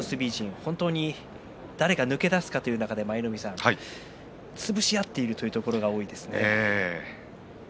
本当に誰が抜け出すかという中で潰し合っているというところが多いですね。